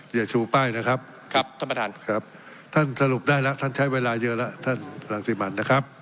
อย่าชูป้ายนะครับครับท่านประธานครับท่านสรุปได้แล้วท่านใช้เวลาเยอะแล้วท่านรังสิมันนะครับ